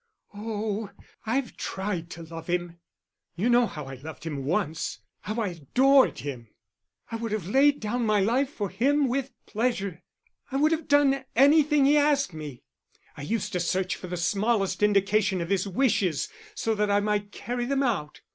"Oh, I've tried to love him. You know how I loved him once how I adored him. I would have laid down my life for him with pleasure. I would have done anything he asked me; I used to search for the smallest indication of his wishes so that I might carry them out.